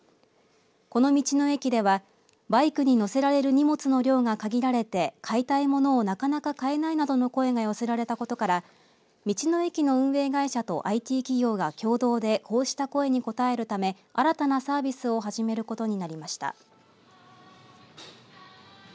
この道の駅ではバイクに乗せられる荷物の量が限られて買いたい物を、なかなか買えないなどの声が寄せられたことから道の駅の運営会社とＩＴ企業が共同でこうした声に応えるため新たなサービスを始めることになりました。